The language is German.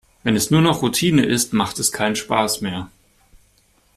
Wenn es nur noch Routine ist, macht es keinen Spaß mehr.